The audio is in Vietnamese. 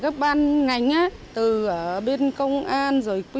đây là những nước cây sharon có tâm trọng này